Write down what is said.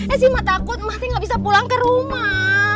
eh sih mah takut mati nggak bisa pulang ke rumah